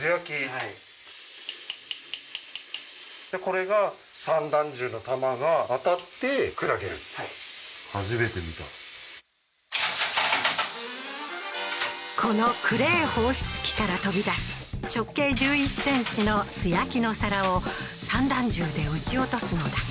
はいはい初めて見たこのクレー放出機から飛び出す直径１１センチの素焼きの皿を散弾銃で撃ち落とすのだ